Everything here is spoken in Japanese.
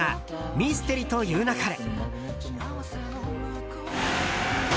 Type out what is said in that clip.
「ミステリと言う勿れ」。